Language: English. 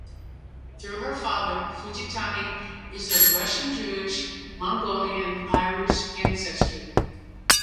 Through her father, Fujitani is of Russian-Jewish, Mongolian and Irish ancestry.